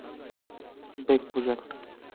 بیک په اوږه کړه او د خپل هدف په لور روان شه.